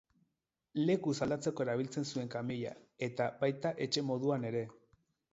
Lekuz aldatzeko erabiltzen zuen kamioia, eta baita etxe moduan ere.